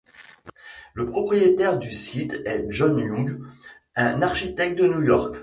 Le propriétaire du site est John Young, un architecte de New York.